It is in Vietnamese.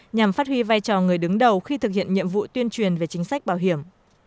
nhằm phát huy vai trò người đứng đầu khi thực hiện nhiệm vụ tuyên truyền về chính sách bảo hiểm